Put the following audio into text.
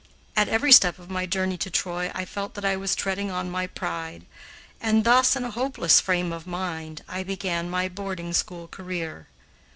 At every step of my journey to Troy I felt that I was treading on my pride, and thus in a hopeless frame of mind I began my boarding school career.